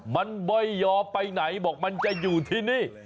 มันไม่ยอมไปไหนบอกมันจะอยู่ที่นี่